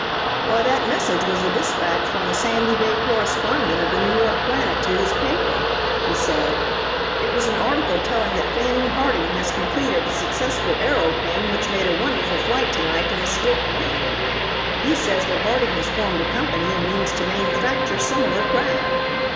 "Why, that message was a despatch from the Sandy Bay correspondent of the New York Planet to his paper," he said. "It was an article telling that Fanning Harding has completed a successful aeroplane which made a wonderful flight to night in a stiff wind. He says that Harding has formed a company and means to manufacture similar craft.